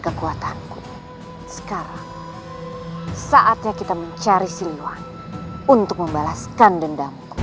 kekuatanku sekarang saatnya kita mencari siliwan untuk membalaskan dendamku